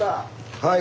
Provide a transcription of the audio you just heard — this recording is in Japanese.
はい。